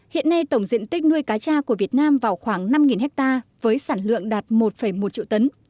hiện nay tổng diện tích nuôi cá cha của việt nam vào khoảng năm ha với sản lượng đạt một một triệu tấn